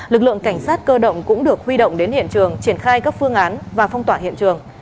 lực lượng cảnh sát cơ động cũng được huy động đến hiện trường triển khai các phương án và phong tỏa hiện trường